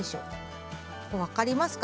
分かりますか。